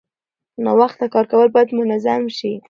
ناوخته کار کول باید منظم شي.